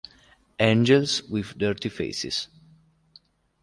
Angels with Dirty Faces